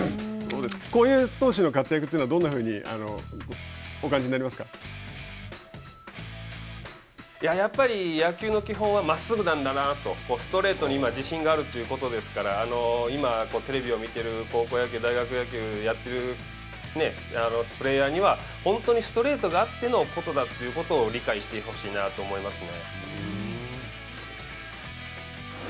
こういう投手の活躍というのはどんなふうにやっぱり野球の基本は真っすぐなんだなとストレートに、今、自信があるということですから今、テレビを見ている高校野球、大学野球をやっているプレーヤーには本当にストレートがあってのことだということを理解してほしいなと思いますね。